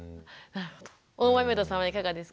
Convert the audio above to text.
大豆生田さんはいかがですか？